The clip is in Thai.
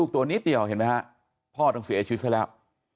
ตัวนิดเดียวเห็นไหมฮะพ่อต้องเสียชีวิตซะแล้ว